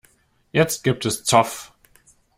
Jetzt gibt es Zoff.